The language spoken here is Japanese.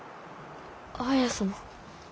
綾様。